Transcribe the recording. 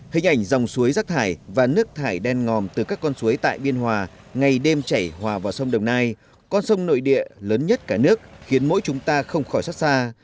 hình ảnh dòng suối rác thải và nước thải đen ngòm từ các con suối tại biên hòa ngày đêm chảy hòa vào sông đồng nai con sông nội địa lớn nhất cả nước khiến mỗi chúng ta không khỏi xót xa